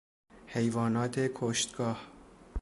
حیوانات کشتگاه